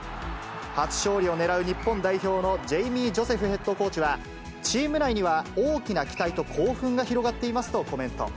初勝利をねらう日本代表のジェイミー・ジョセフヘッドコーチは、チーム内には大きな期待と興奮が広がっていますとコメント。